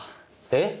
えっ？